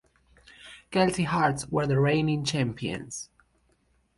Kelty Hearts were the reigning champions.